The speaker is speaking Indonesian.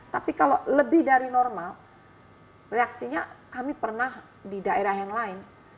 tapi kalau lebih dari normal reaksinya kami pernah di daerah yang lain